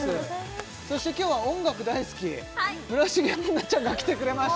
そして今日は音楽大好き村重杏奈ちゃんが来てくれました